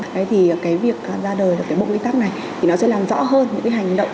thế thì cái việc ra đời bộ quý tắc này thì nó sẽ làm rõ hơn những hành động